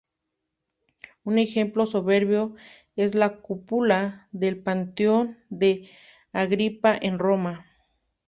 Un ejemplo soberbio es la cúpula del Panteón de Agripa en Roma.